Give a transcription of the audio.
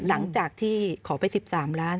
หลังจากที่ขอไป๑๓ล้าน